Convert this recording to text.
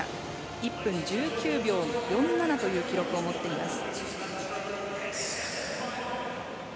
１分１９秒４７という記録を持っています。